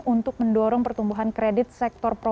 untuk mendorong pertumbuhan kredit yang berbeda